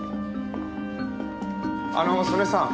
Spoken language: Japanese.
あのー曽根さん。